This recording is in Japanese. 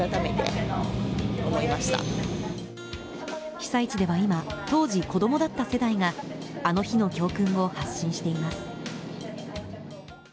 被災地では今当時、子供だった世代があの日の教訓を発信しています。